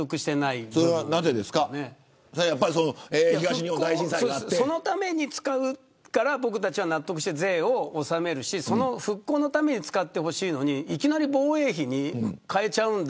復興のために使うから納得して税を納めるし復興のために使ってほしいのにいきなり防衛費に変えちゃうんだ。